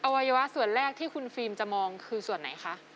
วัยวะส่วนแรกที่คุณฟิล์มจะมองคือส่วนไหนคะ